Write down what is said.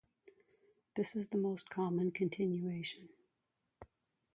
This is the most common continuation.